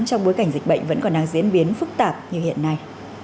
trong bối cảnh dịch bệnh vẫn còn đang diễn biến phức tạp như hiện nay